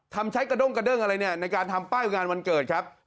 ใช้กระด้งกระเด้งอะไรเนี่ยในการทำป้ายงานวันเกิดครับ